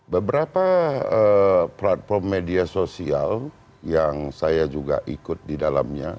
beberapa platform media sosial yang saya juga ikut di dalamnya